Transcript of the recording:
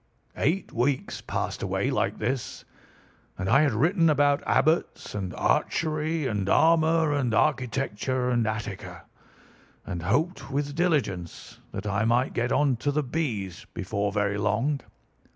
"Eight weeks passed away like this, and I had written about Abbots and Archery and Armour and Architecture and Attica, and hoped with diligence that I might get on to the B's before very long.